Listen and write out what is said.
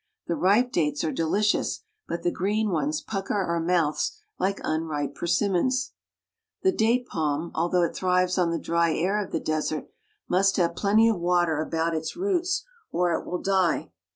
The ripe dates are delicious, but the green ones pucker our mouths like unripe persimmons. The date palm, although it thrives on the dry air of the desert, must have plenty of water about its roots or it will die.